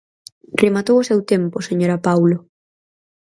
Rematou o seu tempo, señora Paulo.